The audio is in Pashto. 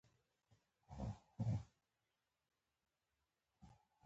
یخه هوا مو په ازاده فضا کې تنفس کړل.